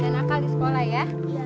nakal di sekolah ya